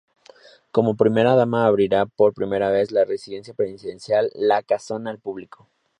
Como primera dama abrirá por primera vez la residencia presidencial La Casona al público.